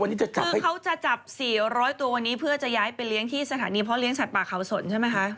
วันนี้คือคือเขาจะจับสี่ร้อยตัววันนี้เพื่อจะย้ายไปเลี้ยงที่สถานีเพาะเลี้ยงสัตว์ป่าเขาสนใช่ไหมคะ